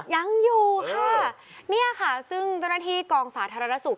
ยังอยู่ค่ะเนี่ยค่ะซึ่งเจ้าหน้าที่กองสาธารณสุข